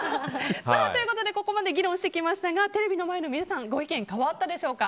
ということで、ここまで議論してきましたがテレビの前の皆さんご意見変わったでしょうか。